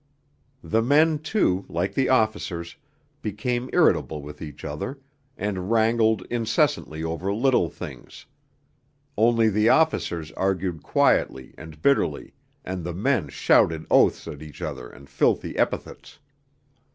The men, too, like the officers, became irritable with each other, and wrangled incessantly over little things; only the officers argued quietly and bitterly, and the men shouted oaths at each other and filthy epithets.